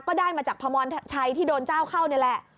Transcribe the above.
ก็ได้มาจากพมรชัยที่โดนเจ้าเข้านี่แหละ